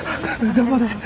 頑張れ！